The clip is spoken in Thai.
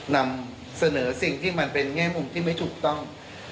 นำเสนอสิ่งที่มันเป็นแง่มุมที่ไม่ถูกต้อง